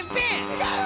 違う！